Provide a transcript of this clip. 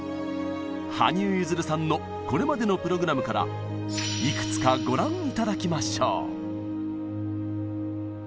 羽生結弦さんのこれまでのプログラムからいくつかご覧頂きましょう！